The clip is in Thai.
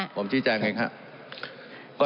ผมจริงจ้างเห็นค่ะ